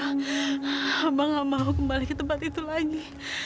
hamba hamba aku kembali ke tempat itu lagi